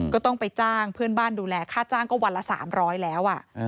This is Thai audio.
ก็ต้องไปจ้างเพื่อนบ้านดูแลค่าจ้างก็วันละ๓๐๐แล้ว